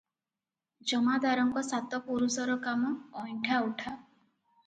ଜମାଦାରଙ୍କ ସାତ ପୁରୁଷର କାମ ଅଇଣ୍ଠା ଉଠା ।